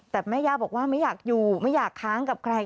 แต่แม่ย่าบอกว่าไม่อยากอยู่ไม่อยากค้างกับใคร